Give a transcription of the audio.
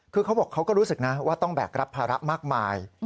คือเขาบอกเขาก็รู้สึกนะว่าต้องแบกรับภาระมากมาย